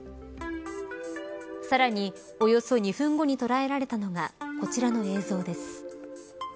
さらに、およそ２分後に捉えられたのはこちらの映像です。